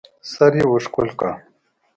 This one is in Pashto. سر يې ورښکل کړ.